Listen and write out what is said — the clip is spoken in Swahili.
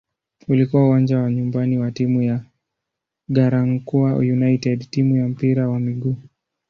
Ulikuwa uwanja wa nyumbani wa timu ya "Garankuwa United" timu ya mpira wa miguu.